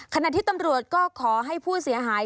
ขณะที่ตำรวจก็ขอให้ผู้เสียหาย